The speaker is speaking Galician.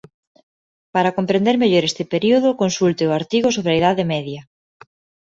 Para comprender mellor este período consulte o artigo sobre a Idade Media.